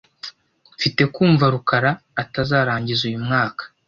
Mfite kumva ko rukara atazarangiza uyu mwaka .